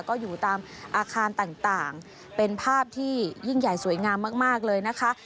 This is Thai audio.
ก็อยู่ตามอาคารต่างเป็นภาพที่ยิ่งใหญ่สวยงามมากเลยนะคะ